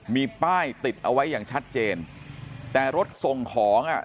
มีป้ายติดเอาไว้อย่างชัดเจนแต่รถส่งของอ่ะ